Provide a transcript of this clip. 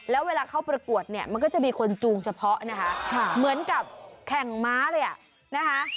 แล้วเวลาเข้าประกวดเนี่ยมันก็จะมีคนจูงเฉพาะนะคะเหมือนกับแข่งม้าเลยอ่ะนะคะ